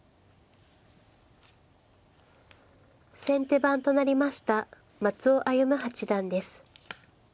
先手番となりました松尾歩八段です。